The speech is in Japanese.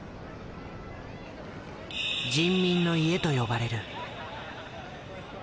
「人民の家」と呼ばれる。